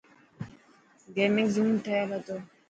گيمنگ زون ٺهيل هتو.